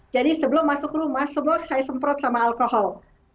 jadi sebelum masuk rumah semua saya semprot sama alkohol